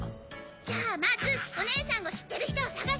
じゃあまずおねえさんを知ってる人を探そう。